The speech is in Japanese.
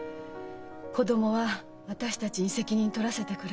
子供は私たちに責任取らせてくれ」